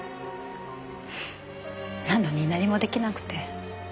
なのに何も出来なくて。